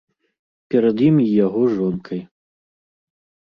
Перад ім і яго жонкай.